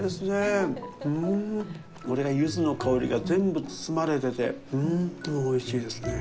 これは柚子の香りが全部包まれてて、ほんとにおいしいですね。